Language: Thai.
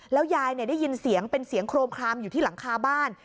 ยายได้ยินเสียงเป็นเสียงโครมคลามอยู่ที่หลังคาบ้าน